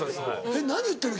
何言ってんの？